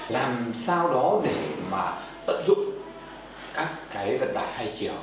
làm sao đó để tận dụng các vật chất